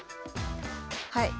はい。